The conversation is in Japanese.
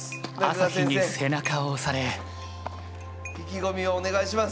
朝日に背中を押され意気込みをお願いします！